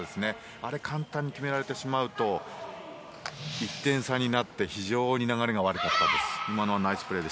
あれを簡単に決められてしまうと１点差になって非常に流れが悪くなったので。